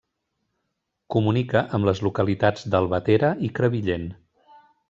Comunica amb les localitats d'Albatera i Crevillent.